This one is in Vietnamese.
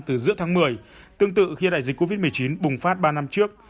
từ giữa tháng một mươi tương tự khi đại dịch covid một mươi chín bùng phát ba năm trước